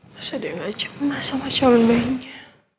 masa dia ga cema sama cowok lainnya